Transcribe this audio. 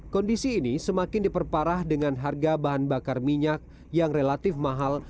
kondisi ini semakin diperparah dengan harga bahan bakar minyak yang relatif mahal